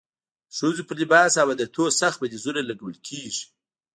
د ښځو پر لباس او عادتونو سخت بندیزونه لګول کېږي.